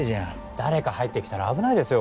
誰か入ってきたら危ないですよ